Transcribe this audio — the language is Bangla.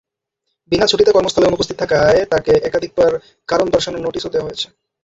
বিনা ছুটিতে কর্মস্থলে অনুপস্থিত থাকায় তাঁকে একাধিকবার কারণ দর্শানোর নোটিশও দেওয়া হয়েছে।